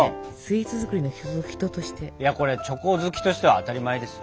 いやこれチョコ好きとしては当たり前ですよ。